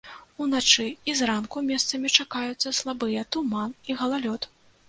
Уначы і зранку месцамі чакаюцца слабыя туман і галалёд.